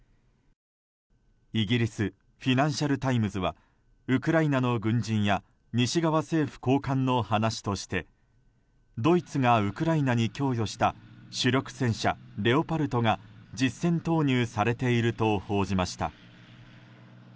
イギリスフィナンシャル・タイムズはウクライナの軍人や西側政府高官の話としてドイツがウクライナに供与した主力戦車レオパルトが実戦投入されていると報じました。